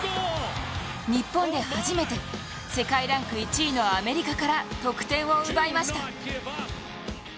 日本で初めて世界ランク１位のアメリカから得点を奪いました。